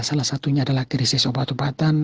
salah satunya adalah krisis obat obatan